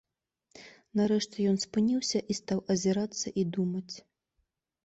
Нарэшце ён спыніўся і стаў азірацца і думаць.